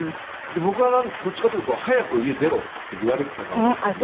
僕はどっちかというと早く家出ろって言われてた側だったので。